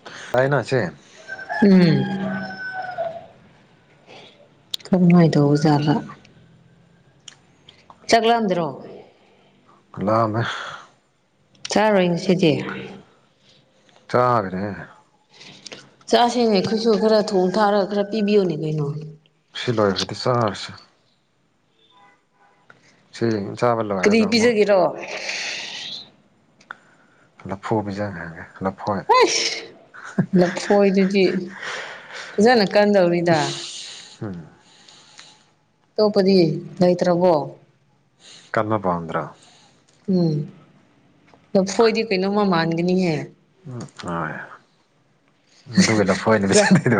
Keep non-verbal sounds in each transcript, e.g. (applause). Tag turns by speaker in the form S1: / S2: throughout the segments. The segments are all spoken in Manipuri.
S1: (unintelligible)
S2: ꯎꯝ ꯌꯥꯝ ꯅꯨꯉꯥꯏꯗꯣꯏꯖꯥꯠꯂꯥ ꯆꯪꯉꯟꯗꯔꯣ
S1: (unintelligible)
S2: ꯆꯥꯔꯣꯏ ꯉꯁꯤꯗꯤ
S1: ꯆꯥꯒꯔꯦ
S2: ꯆꯥꯁꯦꯅꯦ ꯑꯩꯈꯣꯏꯁꯨ ꯈꯔ ꯊꯣꯡ ꯊꯥꯛꯂꯥꯒ ꯈꯔ ꯄꯤꯕꯤꯌꯣꯅꯦ ꯀꯩꯅꯣ
S1: ꯁꯤ ꯂꯣꯏꯈ꯭ꯔꯗꯤ ꯆꯥꯔꯥꯁꯦ ꯁꯤ ꯆꯥꯕ ꯂꯣꯏꯔꯒ ꯑꯃꯨꯛ
S2: ꯑꯣ
S1: ꯂꯐꯨ ꯄꯤꯖꯥꯅꯤꯅꯦ (unintelligible)
S2: ꯍ ꯂꯐꯣꯏꯗꯨꯗꯤ ꯐꯖꯅ ꯀꯟꯗꯧꯔꯤꯗ
S1: ꯎꯝ
S2: ꯑꯇꯣꯞꯄꯗꯤ ꯂꯩꯇ꯭ꯔꯕꯣ
S1: ꯀꯟꯕꯥ ꯄꯥꯝꯗꯔꯣ
S2: ꯎꯝ ꯂꯥꯐꯣꯏꯗꯤ ꯀꯩꯅꯣꯝꯃꯥ ꯃꯥꯟꯒꯅꯤꯍꯦ
S1: ꯎꯝ ꯍꯣꯏ ꯃꯗꯨꯒꯤ ꯂꯐꯣꯏꯅꯦ
S2: ꯆꯥ
S1: ꯄꯕꯤꯁꯥꯗꯩꯗꯣ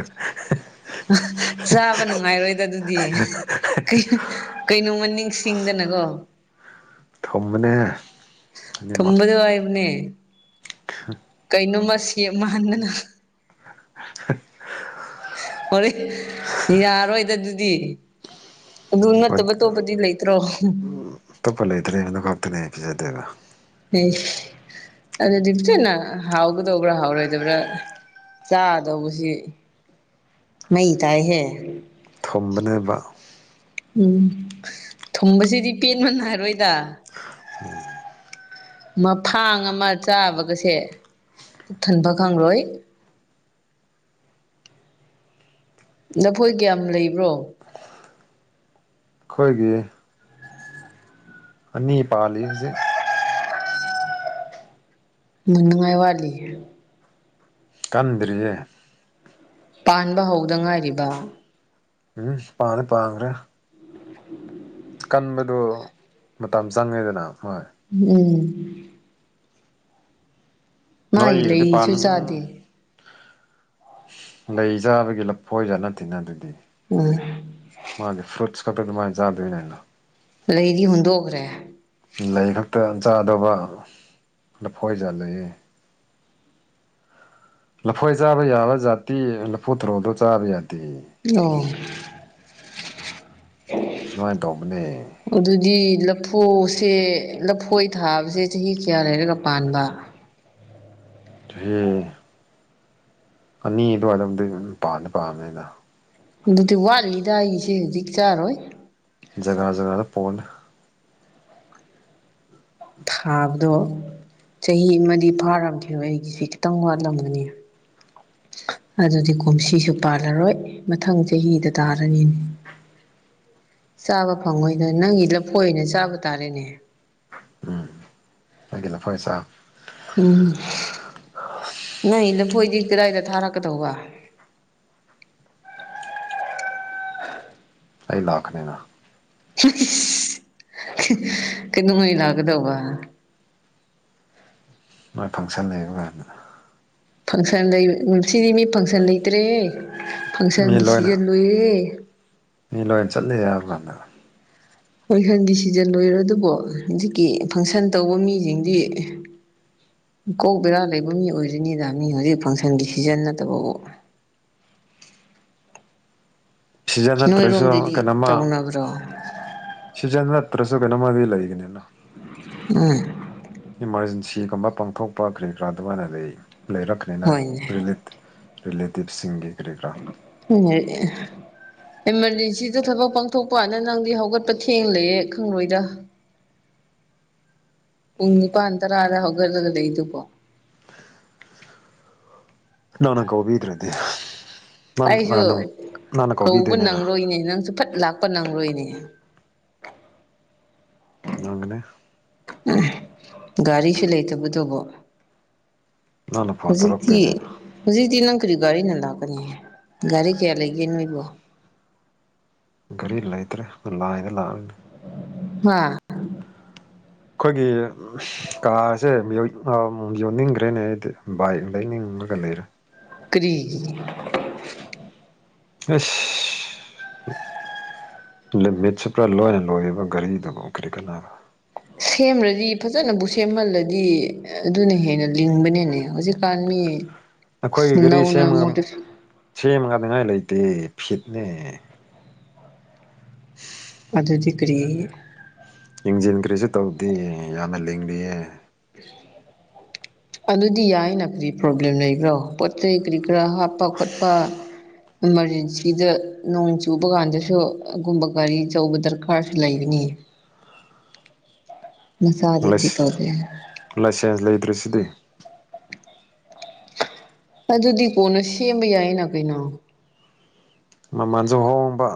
S2: ꯆꯥꯕ ꯅꯨꯡꯉꯥꯏꯔꯣꯏꯗ ꯑꯗꯨꯗꯤ ꯀꯩꯅꯣꯃ ꯅꯤꯡꯁꯤꯡꯗꯅꯀꯣ
S1: ꯊꯝꯕꯅꯦꯃ
S2: ꯊꯨꯝꯕꯗꯣ ꯍꯥꯏꯕꯅꯦ ꯀꯩꯅꯣꯝꯃ ꯁꯦꯝ ꯃꯟꯗꯅ
S1: (inaudible)
S2: ꯍꯣꯔ ꯌꯥꯔꯣꯏꯗ ꯑꯗꯨꯗꯤ ꯑꯗꯨ ꯅꯠꯇꯕ ꯇꯣꯞꯄꯗꯤ ꯂꯩꯇ꯭ꯔꯣ
S1: ꯑꯇꯣꯞꯄ ꯂꯩꯇ꯭ꯔꯦꯕꯅ ꯉꯥꯛꯇꯅꯦ ꯑꯩ ꯄꯤꯖꯗꯦꯕ
S2: ꯍ ꯑꯗꯨꯗꯞꯁꯅ ꯍꯥꯎꯒꯗꯣꯕ꯭ꯔꯥ ꯍꯥꯎ꯭ꯔꯣ ꯍꯥꯏꯗꯕ꯭ꯔꯥ ꯆꯥꯗꯧꯕꯁꯤ ꯃꯩ ꯇꯥꯏꯍꯦ
S1: ꯐꯝꯕꯅꯦꯕ
S2: ꯎꯝ ꯊꯨꯝꯕꯁꯤꯗꯤ ꯄꯦꯟꯕ ꯅꯥꯏꯔꯣꯏꯗ ꯃꯐꯥꯡ ꯑꯃ ꯆꯥꯕꯒꯁꯦ ꯄꯨꯛ ꯊꯟꯕ ꯈꯪꯂꯣꯏ ꯂꯐꯣꯏ ꯀꯌꯥꯝ ꯂꯩꯕ꯭ꯔꯣ
S1: ꯑꯩꯈꯣꯏꯒꯤ ꯑꯅꯤ ꯄꯥꯜꯂꯤꯌꯦ ꯍꯧꯖꯤꯛ
S2: ꯌꯥꯝ ꯅꯨꯡꯉꯥꯏ ꯋꯥꯅꯤꯅꯦ
S1: ꯀꯟꯗ꯭ꯔꯤꯑꯌꯦ
S2: ꯄꯥꯟꯕ ꯍꯧꯗ ꯉꯥꯏꯔꯤꯕ
S1: ꯎꯝ ꯄꯥꯟꯗꯤ ꯄꯥꯟꯈ꯭ꯔꯦ
S2: (inaudible)
S1: ꯀꯟꯕꯗꯣ ꯃꯇꯝ ꯆꯪꯉꯦꯗꯅ ꯍꯣꯏ
S2: ꯎꯝ
S1: ꯅꯣꯣꯏ
S2: ꯃꯥꯒꯤ
S1: ꯏꯗꯤ
S2: ꯂꯩꯁꯨ
S1: ꯄꯥꯅꯨ
S2: ꯆꯥꯗꯦ
S1: ꯂꯩ ꯆꯥꯕꯒꯤ ꯂꯐꯣꯏꯖꯥꯠ ꯅꯠꯇꯤꯅ ꯑꯗꯨꯗꯤ
S2: ꯎꯝ
S1: ꯃꯥꯗꯤ ꯐ꯭ꯔꯨꯠꯁ ꯈꯛꯇ ꯑꯗꯨꯃꯥꯏꯅ ꯆꯥꯗꯣꯏ (unintelligible)
S2: ꯂꯩꯗꯤ ꯍꯨꯟꯗꯣꯛꯈ꯭ꯔꯦ
S1: ꯂꯩ ꯈꯛꯇ ꯆꯥꯗꯧꯕ ꯂꯐꯣꯏ ꯖꯥꯠ ꯂꯩꯌꯦ ꯂꯐꯣꯏ ꯆꯥꯕ ꯌꯥꯕ ꯖꯥꯠꯇꯤ ꯂꯐꯨ ꯊꯔꯣꯗꯣ ꯆꯥꯕ ꯌꯥꯗꯦ
S2: ꯅꯣꯍ
S1: ꯑꯗꯨꯃꯥꯏꯟ ꯇꯧꯕꯅꯦ
S2: ꯑꯗꯨꯗꯤ ꯂꯐꯨꯁꯦ ꯂꯐꯣꯏ ꯊꯥꯕꯁꯦ ꯆꯍꯤ ꯀꯌꯥ ꯂꯩꯔꯒ ꯄꯥꯟꯕ
S1: ꯆꯍꯤ ꯑꯅꯤ ꯑꯗꯨꯋꯥꯏꯔꯣꯝꯗꯒꯤ ꯑꯗꯨꯝ ꯄꯥꯟꯗ ꯄꯥꯟꯕꯅꯦꯅ
S2: ꯑꯗꯨꯗꯤ ꯋꯥꯠꯂꯤꯗ ꯑꯩꯒꯤꯁꯦ ꯍꯧꯖꯤꯛ ꯆꯥꯔꯣꯏ
S1: ꯖꯒꯥ ꯖꯒꯥꯗ ꯄꯣꯜꯂꯦ
S2: ꯊꯥꯕꯗꯣ ꯆꯍꯤ ꯑꯃꯗꯤ ꯐꯥꯔꯝꯈꯤꯔꯣꯏ ꯑꯩꯒꯤꯁꯤ ꯈꯤꯇꯪ ꯋꯥꯠꯂꯝꯒꯅꯤ ꯑꯗꯨꯗꯤ ꯀꯨꯝꯁꯤꯁꯨ ꯄꯥꯜꯂꯔꯣꯏ ꯃꯊꯪ ꯆꯍꯤꯗ ꯇꯥꯔꯅꯤꯅꯦ ꯆꯥꯕ ꯐꯪꯉꯣꯏꯗ ꯅꯪꯒꯤ ꯂꯐꯣꯏ ꯑꯣꯏꯅ ꯆꯥꯕ ꯇꯥꯔꯦꯅꯦ
S1: ꯎꯝ ꯑꯩꯒꯤ ꯂꯐꯣꯏ ꯆꯥꯎ
S2: ꯎꯝ ꯅꯪꯒꯤ ꯂꯐꯣꯏꯗꯤ ꯀꯗꯥꯏꯗ ꯊꯥꯔꯛꯀꯗꯧꯕ
S1: ꯑꯩ ꯂꯥꯛꯀꯅꯤꯅ
S2: (unintelligible) ꯀꯩꯩꯗꯧꯉꯩ ꯂꯥꯛꯀꯗꯧꯕ
S1: ꯅꯣꯏ ꯐꯪꯁꯟ ꯂꯩꯕ ꯀꯥꯟꯗ
S2: ꯐꯪꯁꯟꯗ ꯑꯩ ꯅꯨꯡꯁꯤꯔꯤꯅꯤ ꯐꯪꯁꯟ ꯂꯩꯇ꯭ꯔꯦ
S1: ꯃꯤ
S2: ꯐꯪꯁꯟꯒꯤ
S1: ꯂꯣꯏꯅ
S2: ꯁꯤꯖꯟ ꯂꯣꯏꯔꯦ
S1: ꯃꯤ ꯂꯣꯏꯅ ꯆꯠꯂꯦ ꯍꯥꯏꯕ ꯀꯥꯟꯗ
S2: ꯐꯪꯁꯟꯗꯤ ꯁꯤꯖꯟ ꯂꯣꯏꯔ ꯗꯨꯕꯨ ꯍꯧꯖꯤꯛꯀꯤ ꯐꯪꯁꯟ ꯇꯧꯕ ꯃꯤꯁꯤꯡꯗꯤ ꯏꯀꯣꯛ ꯕꯦꯔꯥ ꯂꯩꯕ ꯃꯤ ꯑꯣꯏꯔꯤꯅꯤꯗ ꯃꯤ ꯍꯧꯖꯤꯛ ꯐꯪꯁꯟꯒꯤ ꯁꯤꯖꯟ ꯅꯠꯇꯕꯕꯨ
S1: ꯁꯤꯖꯟ ꯅꯠꯇ꯭ꯔꯁꯨ
S2: ꯅꯣꯏꯔꯣꯝꯗꯗꯤ
S1: ꯀꯩꯅꯣꯝꯃ
S2: ꯇꯧꯅꯕ꯭ꯔꯣ
S1: ꯁꯤꯖꯟ ꯅꯠꯇ꯭ꯔꯁꯨ ꯀꯩꯅꯣꯝꯃꯗꯤ ꯂꯩꯒꯅꯤꯅ
S2: (unintelligible)
S1: ꯏꯃꯥꯔꯖꯦꯟꯁꯤꯒꯨꯝꯕ ꯄꯥꯡꯊꯣꯛꯄ ꯀꯔꯤ ꯀ꯭ꯔꯥ ꯑꯗꯨꯃꯥꯏꯅ ꯂꯩ ꯂꯩꯔꯛꯈ꯭ꯔꯦꯅ
S2: ꯍꯣꯏꯅꯦ
S1: ꯔꯤꯂꯤꯠ ꯔꯤꯂꯦꯇꯤꯞꯁꯤꯡꯒꯤ ꯀꯔꯤ ꯀ꯭ꯔꯥ
S2: ꯍꯣꯏꯅꯦ ꯏꯃꯥꯔꯖꯦꯟꯁꯤꯗ ꯊꯕꯛ ꯄꯥꯡꯊꯣꯛꯄ ꯋꯥꯅꯦ ꯅꯪꯗꯤ ꯍꯧꯒꯠꯄ ꯊꯦꯡꯂꯩꯑꯦ ꯈꯪꯂꯣꯏꯗ ꯄꯨꯡ ꯅꯤꯄꯥꯟ ꯇꯔꯥꯗ ꯍꯧꯒꯠꯂꯩꯗꯨꯕꯣ
S1: ꯅꯪꯅ ꯀꯧꯕꯤꯗ꯭ꯔꯦ
S2: ꯑꯩꯁꯨ
S1: ꯅꯪꯅ
S2: ꯀꯧꯕ
S1: ꯀꯧꯕꯤꯗꯣꯏꯅꯤꯅ
S2: ꯅꯪꯔꯣꯏꯅꯦ ꯅꯪꯁꯨ ꯐꯠ ꯂꯥꯛ__ ꯄ ꯅꯪꯔꯣꯏꯅꯦ
S1: ꯅꯪꯒꯅꯤ
S2: (unintelligible) ꯒꯥꯔꯤꯁꯨ ꯂꯩꯇꯕꯗꯨꯕꯣ
S1: ꯅꯪꯅ ꯐꯣꯟ
S2: ꯍꯧꯖꯤꯛꯇꯤ
S1: ꯇꯧꯔꯛꯇꯣꯏꯅꯤꯅ
S2: ꯍꯧꯖꯤꯛꯇꯤ ꯅꯪ ꯀꯔꯤ ꯒꯥꯔꯤꯅ ꯂꯥꯛꯀꯅꯤ ꯒꯥꯔꯤ ꯀꯌꯥ ꯂꯩꯒꯦ ꯅꯣꯏꯕꯣ
S1: ꯒꯥꯔꯤ ꯂꯩꯇ꯭ꯔꯦ ꯈꯣꯏ ꯂꯥꯏꯟꯗ ꯂꯥꯛꯑꯅꯤ
S2: ꯍꯥꯥ
S1: ꯑꯩꯈꯣꯏꯒꯤ (unintelligible) ꯀꯥꯔꯁꯦ (unintelligible) ꯌꯣꯟꯅꯤꯡꯈ꯭ꯔꯦꯅꯦ ꯑꯩꯗꯤ ꯕꯥꯏꯛ ꯂꯩꯅꯤꯡꯉꯒ ꯂꯩꯔꯦ
S2: ꯀꯔꯤꯒꯤ
S1: ꯑꯁ ꯂꯤꯃꯤꯠꯁꯦ ꯄꯨꯔꯥ ꯂꯣꯏꯅ ꯂꯣꯏꯔꯕ ꯒꯥꯔꯤꯗꯨꯕꯨ ꯀꯔꯤ ꯀꯥꯟꯅꯔꯥ
S2: ꯁꯦꯝꯔꯗꯤ ꯐꯖꯅꯕꯨ ꯁꯦꯝꯍꯜꯂꯗꯤ ꯑꯗꯨꯅ ꯍꯦꯟꯅ ꯂꯤꯡꯕꯅꯦꯅꯦ ꯍꯧꯖꯤꯛ__ ꯀꯥꯟꯅꯤ ꯑꯁ ꯅꯧꯅ ꯃꯣꯇꯣꯔꯁꯥꯏ__
S1: ꯁꯦꯝꯒꯥꯅꯤꯉꯥꯏ ꯂꯩꯇꯦ ꯐꯤꯠꯅꯦ
S2: ꯑꯗꯨꯗꯤ ꯀꯔꯤ
S1: ꯌꯦꯡꯁꯤꯟꯈ꯭ꯔꯦꯁꯨ ꯇꯧꯗꯦ ꯌꯥꯝꯅ ꯂꯤꯡꯂꯤꯌꯦ꯫
S2: ꯑꯗꯨꯗꯤ ꯌꯥꯏꯅ ꯀꯔꯤ ꯄ꯭ꯔꯣꯕ꯭ꯂꯦꯝ ꯂꯩꯕ꯭ꯔꯣ ꯄꫭꯠ ꯖꯩ ꯀꯔꯤ ꯀ꯭ꯔꯥ ꯍꯥꯞꯄ ꯈꫭꯠꯄ ꯏꯃꯥꯔꯖꯦꯟꯁꯤꯗ ꯅꯣꯡ ꯆꯨꯕ ꯀꯥꯟꯗꯁꯨ ꯑꯒꯨꯝꯕ ꯒꯥꯔꯤ ꯆꯧꯕ ꯗꯔꯀꯥꯔꯁꯨ ꯂꯩꯕꯅꯤ꯫ ꯃꯆꯥꯗꯤ ꯄꯤ ꯇꯧꯗꯦ꯫
S1: ꯂꯥꯏꯁꯦꯟꯁ ꯂꯩꯇ꯭ꯔꯁꯤꯗꯤ꯫
S2: ꯑꯗꯨꯗꯤ ꯀꯣꯟꯅ ꯁꯦꯝꯕ ꯌꯥꯏꯅ ꯀꯩꯅꯣ꯫
S1: ꯃꯃꯟꯁꯨ ꯍꯣꯡꯕ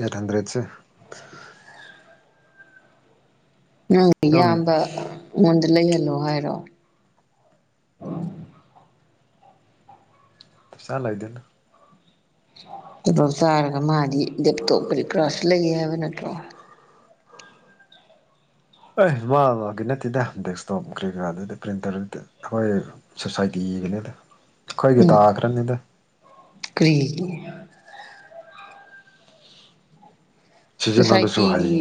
S1: ꯑꯦꯠ ꯍꯟꯗ꯭ꯔꯦꯠꯁꯦ꯫
S2: ꯅꯪ ꯏꯌꯥꯝꯕ ꯉꯣꯟꯗ ꯂꯩꯍꯜꯂꯣ ꯍꯥꯏꯔꯣ꯫
S1: ꯄꯩꯁꯥ ꯂꯩꯇꯦꯗ꯫
S2: ꯇꫭꯂꫭꯞ ꯆꯥꯔꯒ ꯃꯥꯗꯤ ꯂꯦꯞꯇꯣꯞ ꯀꯔꯤ ꯀꯔꯥꯁꯨ ꯂꯩꯌꯦ ꯍꯥꯏꯕ ꯅꯠꯇ꯭ꯔꯣ꯫
S1: ꯑꯦ ꯃꯥ ꯃꯥꯒꯤ ꯅꯠꯇꯦꯗ ꯗꯦꯛꯁꯇꯣꯞ ꯀ꯭ꯔꯤ ꯀꯔꯥꯗꯨꯗꯤ ꯄ꯭ꯔꯤꯟꯇꯔꯗꯨꯗ ꯈꯣꯏ ꯁꯣꯁꯥꯏꯇꯤꯒꯤꯅꯤꯗ ꯑꯈꯣꯏꯒꯤ
S2: ꯎꯝ
S1: ꯇꯥꯈ꯭ꯔꯅꯤꯗ꯫
S2: ꯀꯔꯤꯒꯤ꯫
S1: ꯁꯤꯖꯤꯟꯅꯕꯁꯨ ꯍꯩ
S2: ꯁꯣꯁꯥꯏꯇꯤꯒꯤ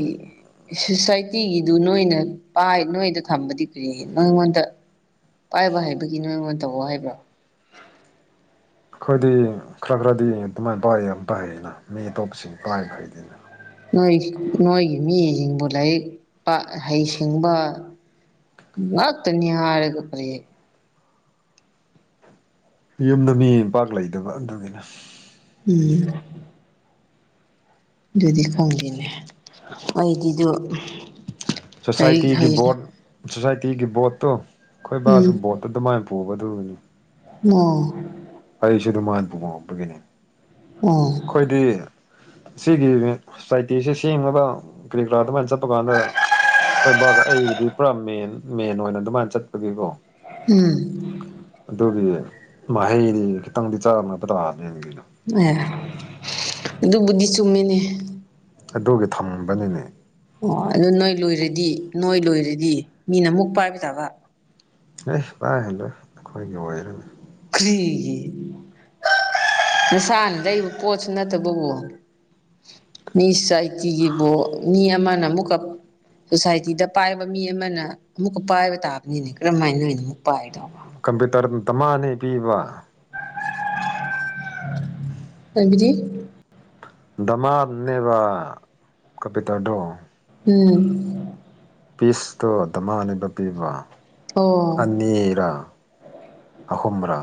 S2: ꯁꯣꯁꯥꯏꯇꯤꯒꯤꯗꯨ ꯅꯣꯏꯅ ꯄꯥꯏ ꯅꯣꯏꯗ ꯊꯝꯕꯗꯤ ꯀꯔꯤ ꯅꯪꯉꯣꯟꯗ ꯄꯥꯏꯕ ꯍꯩꯕꯒꯤ ꯅꯣꯏꯉꯣꯟ ꯇꯧꯑꯦ ꯍꯥꯏꯕ꯭ꯔꯣ꯫
S1: ꯑꯈꯣꯏꯗꯤ ꯈꯔ ꯈꯔꯗꯤ ꯑꯗꯨꯃꯥꯏꯅ ꯄꯥꯏ ꯌꯥꯝ ꯄꯥꯏ ꯍꯩꯅ ꯃꯤ ꯑꯇꯣꯞꯄꯁꯤꯡ ꯄꯥꯏꯕ ꯍꯩꯗꯅ꯫
S2: ꯅꯣꯏ ꯅꯣꯏꯒꯤ ꯃꯤꯁꯤꯡꯕꯨ ꯂꯥꯏꯔꯤꯛ ꯄꯥꯛ ꯍꯩꯁꯤꯡꯕ ꯉꯥꯛꯇꯅꯤ ꯍꯥꯥꯔꯒ ꯀ꯭ꯔꯤ
S1: ꯌꯨꯝꯗ ꯃꯤ ꯄꯥꯛ ꯂꯩꯇꯕ ꯑꯗꯨꯒꯤ꯫
S2: ꯎꯝ꯫ ꯑꯗꯨꯗꯤ ꯈꯪꯗꯦꯅꯦ ꯑꯩꯗꯤꯗꯨ ꯂꯥꯏꯔꯤꯛ
S1: ꯁꯣꯁꯥꯏꯇꯤꯒꯤ
S2: ꯍꯩ
S1: ꯕꯣꯔꯠ ꯁꯣꯁꯥꯏꯇꯤꯒꯤ ꯕꯣꯔꯠꯇꯣ ꯈꯣꯏ ꯕꯥꯁꯨ
S2: ꯎꯝ
S1: ꯕꯣꯠ ꯑꯗꯨꯃꯥꯏꯟ ꯄꯨꯕ ꯗꯨꯅꯤ
S2: ꯑꫭ꯫
S1: ꯑꯩꯁꯨ ꯑꯗꯨꯝꯃꯥꯏꯟ ꯄꯨꯉꯍꯟꯕꯒꯤꯅꯤ꯫
S2: ꯎꯡ꯫
S1: ꯈꯣꯏꯗꯤ ꯁꯤꯒꯤ ꯁꯣꯁꯥꯏꯇꯤꯁꯤ ꯁꯦꯝꯉꯗ ꯀꯔꯤ ꯀꯔꯥ ꯑꯗꯨꯃꯥꯏꯟ ꯆꯠꯄ ꯀꯥꯟꯗ ꯈꯣꯏ ꯕꯥꯒ ꯑꯩꯒꯤꯗꯤ ꯄꯨꯔꯥ ꯃꯦꯟ ꯃꯦꯟ ꯑꯣꯏꯅ ꯑꯗꯨꯃꯥꯏꯟ ꯆꯠꯄꯒꯤꯀꯣ
S2: ꯎꯝ꯫
S1: ꯑꯗꯨꯒꯤ ꯃꯍꯩꯗꯤ ꯈꯤꯇꯪꯗꯤ ꯆꯥꯔꯝꯑꯕ ꯇꯥꯕꯅꯤ ꯑꯗꯨꯝ꯫
S2: ꯑꯦ꯫ ꯑꯗꯨꯕꯨꯗꯤ ꯆꯨꯝꯃꯤꯅꯦ꯫
S1: ꯑꯗꯨꯒꯤ ꯊꯝꯕꯅꯤꯅꯦ꯫
S2: ꯑꯣ ꯑꯗꯨ ꯅꯣꯏ ꯂꯣꯏꯔꯗꯤ ꯅꯣꯏ ꯂꯣꯏꯔꯗꯤ ꯃꯤꯅ ꯑꯃꯨꯛ ꯄꯥꯏꯕ ꯇꯥꯕ꯫
S1: ꯑꯦ ꯄꯥꯏꯍꯜꯂꫭꯏ ꯑꯩꯈꯣꯏꯒꯤ ꯑꯣꯏꯔꯅꯤ꯫
S2: ꯈ꯭ꯔꯤꯒꯤ꯫ (unintelligible) (unintelligible) ꯅꯁꯥꯅ ꯂꯩꯕ ꯄꯣꯠꯁꯨ ꯅꯠꯇꯕꯕꯨ ꯃꯤ ꯁꯥꯏ ꯥꯇꯤꯒꯤꯕꯨ ꯃꯤ ꯑꯃꯅ ꯑꯃꯨꯛꯀ ꯁꯣꯁꯥꯏꯇꯤꯗ ꯄꯥꯏꯕ ꯃꯤ ꯑꯃꯅ ꯑꯃꯨꯛꯀ ꯄꯥꯏꯕ ꯇꯥꯕꯅꯤꯅꯦ ꯀꯔꯝꯍꯥꯏꯅ ꯅꯣꯏꯅ ꯑꯃꯨꯛ ꯄꯥꯏꯗꯧꯕ꯫
S1: ꯀꯝꯄ꯭ꯌꯨꯇꯔꯇ ꯃꯥꯟꯅꯩ ꯄꯤꯕ꯫
S2: (unintelligible) ꯍꯥꯏꯕꯗꯤ꯫
S1: ꯗꯃꯥꯝꯅꯦꯕ ꯀꯄꯤꯇꯔꯗꫭ꯫
S2: ꯎꯝ꯫
S1: ꯄꯤꯁꯇꯣ ꯗꯃꯥꯟꯅꯤꯕ ꯄꯤꯕ
S2: ꯑꯣ
S1: ꯑꯅꯤꯔꯥ ꯑꯍꯨꯝꯔꯥ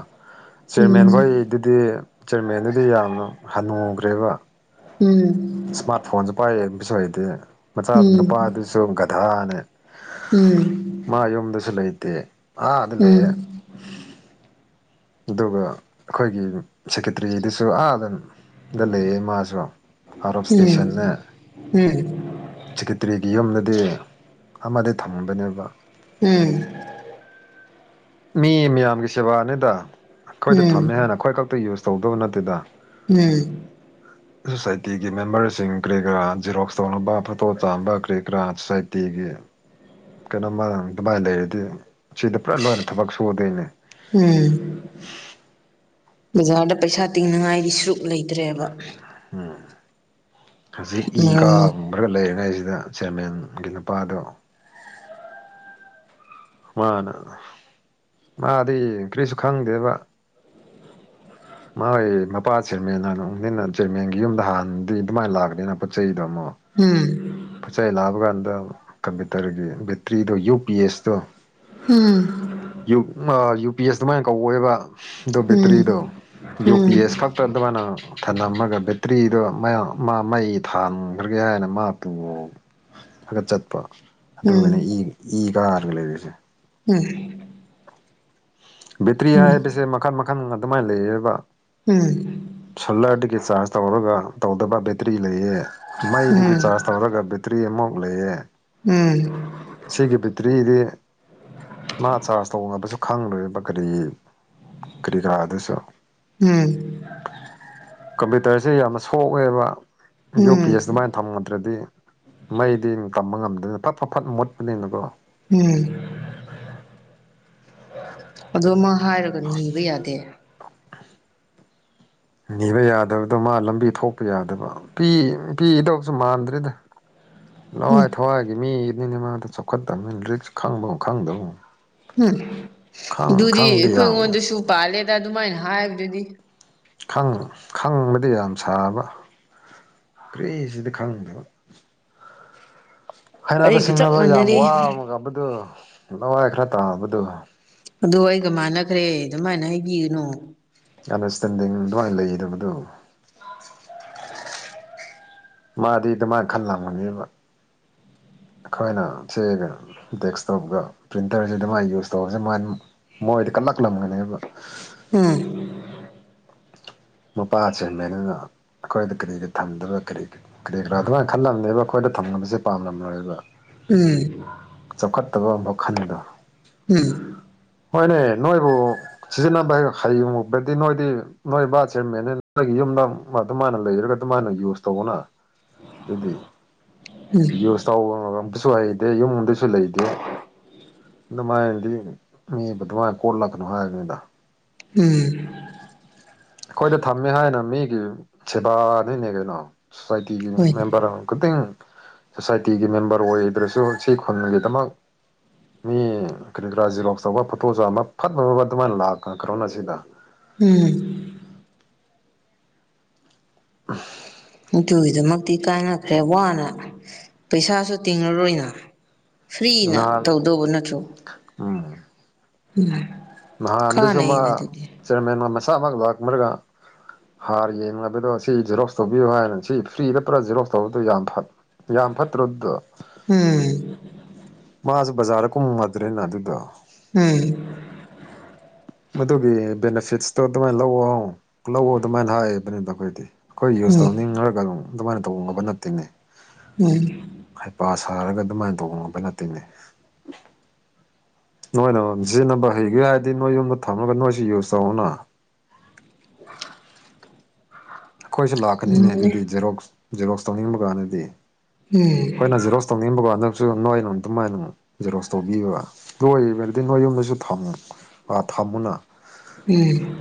S1: ꯆꯦꯔꯃꯦꯟ ꯍꯣꯏ
S2: ꯎꯝ
S1: ꯗꯨꯗꯤ ꯆꯤꯌꯦꯔꯃꯦꯟꯗꯨꯗꯤ ꯌꯥꯝꯅ ꯍꯟꯅꯨꯒ꯭ꯔꯦꯕ꯫
S2: ꯎꯝ꯫
S1: ꯏꯁꯃꯥꯔ꯭ꯠ ꯐꯣꯟꯁꯨ ꯄꯥꯏ ꯌꯦꯡꯕꯁꯨ ꯍꯩꯇꯦ ꯃꯆꯥ
S2: ꯎꯝ
S1: ꯅꯨꯄꯥꯗꯨꯁꯨ ꯒꯙꯥꯅꯦ
S2: ꯎꯝ
S1: ꯃꯥ ꯌꯨꯝꯗꯁꯨ ꯂꯩꯇꯦ ꯑꯥꯗ ꯂꯩꯌꯦ
S2: ꯎꯝ
S1: ꯑꯗꯨꯒ ꯑꯈꯣꯏꯒꯤ ꯁꯦꯀꯦꯇ꯭ꯔꯤꯗꯨꯁꯨ ꯑꯥꯗ ꯗ ꯂꯩꯌꯦ ꯃꯥꯁꯨ ꯑꯥꯎꯠ ꯑꯣꯐ ꯁ꯭ꯇꯦꯁꯟꯅ
S2: ꯎꯝ
S1: ꯁꯦꯀꯤꯇꯔꯤꯗꯤ ꯌꯝꯅꯗꯤ ꯑꯃꯗꯤ ꯊꯝꯕꯅꯦꯕ
S2: ꯎꯝ
S1: ꯃꯤ ꯃꯤꯌꯥꯝꯒꯤ ꯁꯦꯕꯥꯅꯤꯗ
S2: ꯎꯝ
S1: ꯈꯣꯏꯗ
S2: ꯎꯝ
S1: ꯊꯝꯃꯦ ꯍꯥꯏꯅ ꯑꯩꯈꯣꯏ ꯈꯛꯇ ꯌꯨꯁ ꯇꯧꯗꯧꯕ ꯅꯠꯇꯦꯗ
S2: ꯎꯝ
S1: ꯁꯣꯁꯥꯏꯇꯤꯒꯤ ꯃꯦꯝꯕꯔꯁꯤꯡ ꯀꯔꯤ ꯀꯔꯥ ꯖꯤꯔꯣꯛꯁ ꯇꯧꯅꯕ ꯐꯣꯇꯣ ꯆꯥꯝꯕ ꯀꯔꯤ ꯀꯔꯥ ꯁꯣꯁꯥꯏꯇꯤꯒꯤ ꯀꯩꯅꯣꯝꯃ ꯑꯗꯨꯃꯥꯏꯟ ꯂꯩꯔꯗꯤ ꯁꯤꯗ ꯄꯨꯔꯥ ꯂꯣꯏꯅ ꯊꯕꯛ ꯁꯨꯗꯦ ꯑꯩꯅ
S2: ꯎꯝ ꯕꯖꯥꯔꯗ ꯄꯩꯁꯥ ꯇꯤꯡꯅꯉꯥꯏꯒꯤꯁꯨ ꯂꯩꯇ꯭ꯔꯦꯕ
S1: ꯍꯝ ꯍꯧꯖꯤꯛ ꯏꯀꯥ
S2: ꯎꯝ
S1: ꯔ ꯂꯩꯔꯤꯉꯩꯁꯤꯗ ꯆꯤꯌꯥꯔꯃꯦꯟꯒꯤ ꯅꯨꯄꯥꯗꯣ ꯃꯥꯅ ꯃꯥꯗꯤ ꯀ꯭ꯔꯤꯁꯨ ꯈꯪꯗꯦꯕ ꯃꯥꯏ ꯃꯄꯥ ꯆꯤꯌꯔꯃꯦꯟꯅꯅꯣꯡꯅꯤꯅ ꯆꯤꯌꯔꯃꯦꯟꯒꯤ ꯌꯨꯝꯗ ꯍꯥꯟꯗꯤ ꯑꯗꯨꯃꯥꯏꯟ ꯂꯥꯛꯅꯤꯅ ꯄꯣꯠ ꯆꯩꯗꯣ ꯑꯃꯣꯛ
S2: ꯎꯝ
S1: ꯄꯠꯆꯩ ꯂꯥꯕꯒꯥꯟꯗ ꯀꯝꯄ꯭ꯌꯨꯇꯔꯒꯤ ꯕꯦꯇ꯭ꯔꯤꯗꯣ ꯌꯨ ꯄꯤ ꯑꯦꯁꯇꯣ
S2: ꯎꯝ
S1: ꯌꯨ ꯎ ꯉꯥ ꯌꯨ ꯄꯤ ꯑꯦꯁ ꯑꯗꯨꯃꯥꯏꯟ ꯀꯧꯋꯦꯕ ꯗꯣ
S2: ꯎꯝ ꯎꯝ
S1: ꯕꯦꯇ꯭ꯔꯤꯗꯣ ꯌꯨ ꯄꯤ
S2: ꯎꯝ
S1: ꯑꯦꯁ ꯈꯛ ꯑꯗꯨꯃꯥꯏꯅ ꯊꯝꯂꯝꯃꯒ ꯕꯦꯇ꯭ꯔꯤꯗꯣ ꯃ ꯃꯩ ꯊꯥꯟꯈ꯭ꯔꯒꯦ ꯍꯥꯏꯅ ꯃꯥ
S2: (unintelligible)
S1: ꯈꯒꯠ ꯆꯠꯄ ꯑꯗꯨꯒꯒꯅ ꯏ ꯏ ꯀꯥꯒꯅ‌ꯦ ꯂꯩꯔꯤꯁꯦ
S2: ꯎꯝ
S1: ꯕꯦꯇ꯭ꯔꯤ
S2: ꯎꯝ ꯎꯝ
S1: ꯍꯥꯏꯕꯁꯦ ꯃꯈꯟ ꯃꯈꯟ ꯑꯗꯨꯃꯥꯏꯅ ꯂꯩꯌꯦꯕ
S2: ꯎꯝ
S1: ꯁꯣꯂꯔꯗꯒꯤ ꯆꯥꯔꯖ ꯇꯧꯔꯒ ꯇꯧꯗꯕ ꯕꯦꯇ꯭ꯔꯤ ꯂꯩꯌꯦ ꯃꯩꯗꯒꯤ ꯆꯥꯔꯖ ꯇꯧꯔꯒ ꯕꯦꯇ꯭ꯔꯤ ꯑꯃꯃ‌ꯣꯛ ꯂꯩꯌꯦ
S2: ꯎꯝ
S1: ꯁꯤꯒꯤ ꯕꯤꯇ꯭ꯔꯤꯗꯤ ꯃꯥ ꯆꯥꯔꯖ ꯇꯧꯅꯕꯁꯨ ꯈꯪꯂ‌ꯣꯏꯌ‌ꯦꯕ ꯀꯔꯤ ꯀꯔꯤ ꯀꯔꯥ ꯑꯗꯨꯁꯨ
S2: ꯎꯝ
S1: ꯀꯝꯄ꯭ꯌꯨꯇꯔꯁꯤ ꯌꯥꯝꯅ ꯁꯣꯛꯑꯦꯕ
S2: ꯎꯝ
S1: ꯌꯨ
S2: ꯎꯝ
S1: ꯄꯤ ꯑꯦꯁ ꯑꯗꯨꯃꯥꯏꯟ ꯊꯝꯉꯗ꯭ꯔꯗꯤ ꯃꯩꯗꯤ ꯇꯝꯕ ꯉꯝꯗꯗꯅ ꯐꯠ-ꯐ-ꯐꯠ ꯃꯨꯠꯄꯅꯤꯅꯀꯣ
S2: ꯎꯝ꯫ ꯑꯗꯨ ꯑꯃ ꯍꯥꯏꯔꯒ ꯅꯤꯕ ꯌꯥꯗꯦ
S1: ꯅꯤꯕ ꯌꯥꯗꯕꯗꯣ ꯃꯥ ꯂꯝꯕꯤ ꯊꯣꯛꯄ ꯌꯥꯗꯕ ꯄꯤ ꯄꯤꯗꯧꯁꯨ ꯃꯥꯟꯗ꯭ꯔꯦꯗ
S2: ꯎꯝ
S1: ꯂꯋꯥꯏ ꯊꯋꯥꯏꯒꯤ ꯃꯤꯅꯤꯅꯦ ꯃꯥꯗꯨ ꯆꯥꯎꯈꯠꯇꯝꯃꯤꯟ ꯔꯤꯛꯁ ꯈꯪꯕꯒꯨꯝ ꯈꯪꯗꯕꯒꯨꯝ
S2: ꯎꯝ ꯑꯗꯨꯗꯤ
S1: ꯈꯪꯕꯗꯤ ꯌꯥꯝ
S2: ꯑꯩꯈꯣꯏꯉꯣꯟꯗꯁꯨ ꯄꯥꯜꯂꯦꯗ ꯑꯗꯨꯃꯥꯏꯟ ꯍꯥꯏ꯭ꯕꯗꯨꯗꯤ
S1: ꯈꯪ ꯈꯪꯕꯗꯤ ꯌꯥꯝ ꯁꯥꯕ ꯀ꯭ꯔꯤꯁꯨꯗꯤ ꯈꯪꯗꯕ
S2: (unintelligible)
S1: ꯍꯥꯏꯅꯕ
S2: ꯆꯞ
S1: ꯁꯤꯡꯅꯕ ꯌꯥꯝ
S2: ꯃꯥꯟꯅꯔꯦ
S1: ꯋꯥ ꯑꯃꯉꯝꯕꯗꯨ ꯂꯋꯥꯏ ꯈ꯭ꯔ ꯇꯥꯕꯗꯨ
S2: ꯑꯗꯣ ꯑꯩꯒ ꯃꯥꯟꯅꯈ꯭ꯔꯦ ꯑꯗꯨꯃꯥꯏꯟ ꯍꯩꯒꯤꯒꯅꯣ
S1: ꯑꯟꯗꯔꯁꯇꯦꯟꯗꯤꯡ ꯑꯗꯨꯃꯥꯏꯟ ꯂꯩꯒꯤꯗꯕꯗꯨ ꯃꯥꯗꯤ ꯗꯨꯃꯥꯏꯟ ꯈꯜꯂꯥꯝꯒꯅꯦꯕ ꯑꯩꯈꯣꯏꯅ ꯁ‌ꯦ ꯗꯦꯛꯁꯇꯣꯞꯀ ꯄ꯭ꯔꯤꯟꯇꯔꯁꯤ ꯑꯗꯨꯃꯥꯏꯅ ꯌꯨꯁ ꯇꯧꯕꯁꯦ ꯃꯥꯏ ꯃꯣꯏꯗꯤ ꯀꯜꯂꯛꯂꯝꯒꯅꯦꯕ
S2: ꯎꯝ
S1: ꯃꯄꯥ ꯆꯦꯟꯃꯦꯅꯅ ꯑꯩꯈꯣꯏꯗ ꯀꯔꯤ ꯀꯔꯤ ꯊꯝꯗꯕ ꯀꯔꯤ ꯀꯔꯤ ꯀꯔꯥ ꯑꯗꯨꯃꯥꯏꯅ ꯈꯜꯂꯝꯕꯅꯦꯕ ꯑꯩꯈꯣꯏꯗ ꯊꯝꯅꯕꯁꯦ ꯄꯥꯝꯂꯝꯂꯣꯏꯕ
S2: ꯎꯝ
S1: ꯆꯧꯈꯠꯇꯥꯕ ꯃꯈꯟꯗ‌ꯣ
S2: ꯎꯝ
S1: ꯍꯣꯏꯅꯦ ꯅꯣꯏꯕꯨ ꯁꯤꯖꯤꯟꯅꯕ ꯍꯩꯕꯗꯗꯤ ꯅꯣꯏꯗꯤ ꯅꯣꯏ ꯁꯃꯦꯅꯦ ꯅ‌ꯣꯏꯒꯤ ꯌꯨꯝꯗ ꯑꯗꯨꯃꯥꯟꯅ ꯂꯩꯔꯒ ꯑꯗꯨꯃꯥꯥꯟꯅ ꯌꯨꯁ ꯇꯧꯌ‌ꯣꯅ (inaudible)
S2: (inaudible)
S1: ꯌꯨꯁ ꯇꯧꯕ ꯑꯝꯇꯁꯨ ꯍꯩꯇꯦ ꯌꯨꯝꯗꯁꯨ ꯂꯩꯇꯦ (unintelligible)
S2: (inaudible)
S1: ꯑꯩꯈꯣꯏꯗ ꯊꯝꯃꯦ ꯍꯥꯏꯅ ꯃꯤꯒꯤ ꯁꯦꯕꯥꯗꯤꯅꯦ ꯀꯩꯅꯣ (unintelligible) ꯁꯣꯁꯥꯏꯇꯤꯒꯤ
S2: ꯍꯣꯏꯅꯦ
S1: ꯃꯦꯝꯕꯔ ꯑꯣꯏꯗ꯭ꯔꯁꯨ ꯁꯤ ꯈꯨꯟꯒꯤꯗꯃꯛ ꯃꯤ ꯀꯔꯤꯒꯔꯥ ꯖꯤꯔ‌ꯣꯛꯁ ꯇꯧꯕ ꯐꯣꯇꯣ ꯆꯥꯝꯕ ꯐꯠ ꯐꯠ ꯐꯠ ꯐꯠ ꯑꯗꯨꯃꯥꯏꯅ ꯂꯥꯛꯈ꯭ꯔ‌ꯣꯅ ꯁꯤꯗ
S2: (inaudible)
S1: (inaudible)
S2: ꯗꯨꯒꯤꯗꯃꯛꯇꯤ ꯀꯥꯅꯈꯗ꯭ꯔꯦ ꯋꯥꯅ ꯄꯩꯁꯥꯁꯨ ꯇꯤꯡꯉꯔꯣꯏꯅ ꯐ꯭ꯔꯤꯅ
S1: ꯅꯍꯥꯟ
S2: ꯇꯧꯗꯧꯕ ꯅꯠꯇ꯭ꯔꯣ
S1: (inaudible)
S2: (inaudible)
S1: ꯅꯍꯥꯟꯗꯁꯨ ꯃꯥ
S2: ꯀꯥꯟꯅꯩꯅ ꯑꯗꯨꯗꯤ
S1: ꯆꯤꯌꯥꯔꯃꯦꯟ ꯃꯁꯥꯃꯛ ꯂꯥꯛꯂꯒ ꯍꯥꯔ ꯌꯦꯡꯂꯕꯗꯣ ꯁꯤ ꯖꯦꯔꯣꯁ ꯇꯧꯕꯤꯌꯨ ꯍꯥꯏꯅ ꯁꯤ ꯐ꯭ꯔꯤꯗ ꯖꯦꯔꯣꯁ ꯇꯧꯕꯗꯣ ꯌꯥꯝ ꯐꯠ ꯌꯥꯝ ꯐꯠꯇ꯭ꯔꯕꯗ
S2: (inaudible)
S1: ꯃꯥꯖꯨ ꯕꯖꯥꯔꯗ ꯀꯨꯝꯃꯗ꯭ꯔꯦꯅ ꯑꯗꯨꯗꯣ
S2: (inaudible)
S1: ꯃꯗꯨꯒꯤ ꯕꯦꯅꯤꯐꯤꯠꯁꯇꯣ ꯑꯗꯨꯃꯥꯏꯅ ꯂꯧꯑꯣ ꯂꯧꯑꯣ ꯑꯗꯨꯃꯥꯏꯅ ꯍꯥꯏꯕꯅꯤꯅ ꯑꯩꯈꯣꯏꯗꯤ ꯑꯩꯈꯣꯏ ꯌꯨꯁ
S2: ꯎꯝ
S1: ꯇꯧꯅꯤ ꯍꯥꯏꯔꯛꯀꯅꯣ ꯑꯗꯨꯃꯥꯏꯅ ꯇꯧ ꯅꯕ ꯅꯠꯇꯦꯅꯦ
S2: (inaudible)
S1: ꯍꯩꯄꯥ ꯁꯥꯔꯒ ꯑꯗꯨꯃꯥꯏꯅ ꯇꯧꯕ ꯉꯝꯕ ꯅꯠꯇꯦꯅꯦ ꯅꯣꯏꯅ ꯑꯃꯃꯝ ꯁꯤꯖꯤꯟꯅꯕ ꯍꯩꯒꯦ ꯍꯥꯏꯔꯗꯤ ꯅꯣꯏ ꯌꯨꯝꯗ ꯊꯝꯃꯒ ꯅꯣꯏꯁꯨ ꯌꯨꯁ ꯇꯧꯑꯣꯅ
S2: (inaudible)
S1: ꯑꯩꯈꯣꯏꯁꯨ ꯂꯥꯛꯀꯅꯤꯅꯦ
S2: ꯎꯝ
S1: ꯑꯗꯨꯗꯤ ꯖꯦꯔꯣꯛꯁ ꯖꯦꯔꯣꯛꯁ ꯇꯧꯅꯤꯡꯕ ꯀꯥꯟꯗꯗꯤ
S2: (inaudible)
S1: ꯑꯩꯈꯣꯏꯅ ꯖꯤꯔ‌ꯣꯁ ꯇꯧꯅꯤꯡꯕꯀꯥꯟꯗꯝꯁꯨꯡ ꯅꯣꯏ ꯖꯤꯔ‌ꯣꯛꯁ ꯇꯧꯕꯤꯕ ꯗꯨ ꯑ‌ꯣꯏꯔꯥꯗꯤ ꯅꯣꯏ ꯌꯨꯝꯗꯁꯨ ꯊꯝꯃꯨ ꯊꯝꯃꯨꯅ
S2: (inaudible)